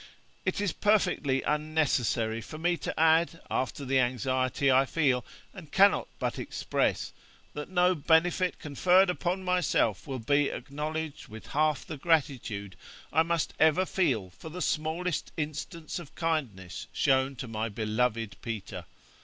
It is perfectly unnecessary for me to add, after the anxiety I feel, and cannot but express, that no benefit conferred upon myself will be acknowledged with half the gratitude I must ever feel for the smallest instance of kindness shown to my beloved Peter.